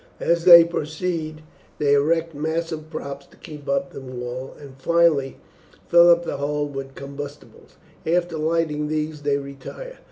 As they proceed they erect massive props to keep up the wall, and finally fill up the hole with combustibles. After lighting these they retire.